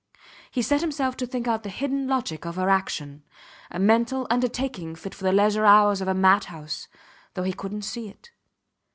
He set himself to think out the hidden logic of her action a mental undertaking fit for the leisure hours of a madhouse, though he couldnt see it.